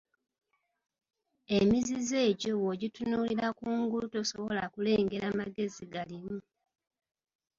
Emizizo egyo bw'ogitunulira kungulu tosobola kulengera magezi galimu.